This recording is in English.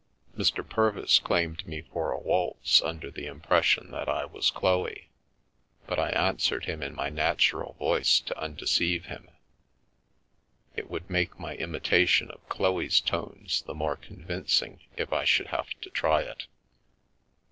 Mr. Purvis claimed me for a waltz under the impression that I was Chloe, but I answered him in my natural voice to undeceive him. It would make my imitation of Chloe's tones the more convincing if I should have to try it.